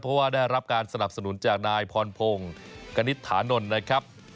เพราะว่าได้รับการสนับสนุนจากนายพรพงศ์กณิตถานนท์นะครับ